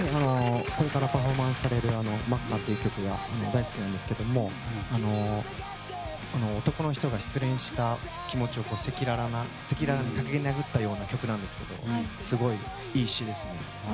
これからパフォーマンスされる「真赤」という曲は好きなんですけど男の人が失恋した気持ちを赤裸々を書きなぐったような曲なんですけどすごいいい詞ですね。